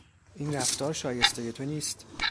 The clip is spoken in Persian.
این رفتار شایستهی تو نیست!